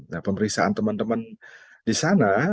nah pemeriksaan teman teman di sana